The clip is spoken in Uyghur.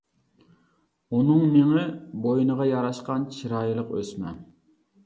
ئۇنىڭ مېڭى، بوينىغا ياراشقان چىرايلىق ئۆسمە.